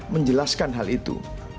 menjelaskan hal itu